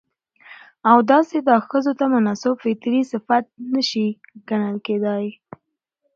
او داسې دا ښځو ته منسوب فطري صفت نه شى ګڼل کېداى.